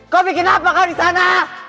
kau bikin apa kan disana